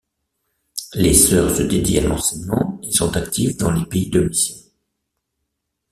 Les sœurs se dédient à l'enseignement et sont actives dans les pays de mission.